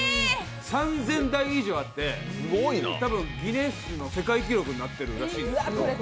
３０００台以上あって、ギネスの世界記録になってるらしいです。